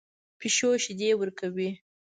پیشو شیدې ورکوي